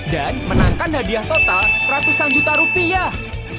dan menangkan hadiah total ratusan juta rupiah